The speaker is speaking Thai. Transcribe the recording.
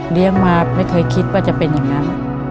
มาไม่เคยคิดว่าจะเป็นอย่างนั้น